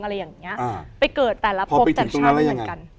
อะไรอย่างเงี้ยอ่าไปเกิดแต่ละพอไปจึงตรงนั้นแล้วยังไง